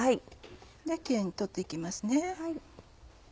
キレイに取って行きますね。